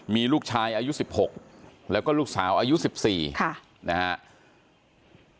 มีลูกชายอายุ๑๖แล้วก็ลูกสาวอายุ๑๔นะครับ